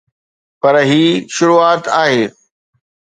پر هي شروعات آهي.